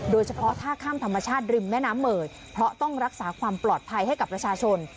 โดยเฉพาะท่าข้ามธรรมชาติริมแม่น้ำเมยเพราะต้องรักษาความปลอดภัยให้กับประชาชน